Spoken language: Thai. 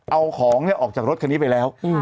เอาของออกจากรถคันนี้ไปแล้ว